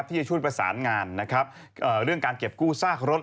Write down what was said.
ที่จะช่วยประสานงานนะครับเรื่องการเก็บกู้ซากรถ